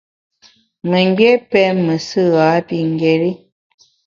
Memgbié pém mesù ghapingéri.